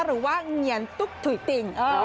หรือว่าเหงียนตุ๊กถุ่ยติ่ง